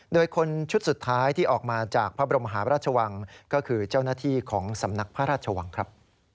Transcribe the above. โดยคนชุดสุดท้ายที่ออกมาจากพระบรมหาพระราชวังก็คือเจ้าหน้าที่ของสำนักพระราชวังครับ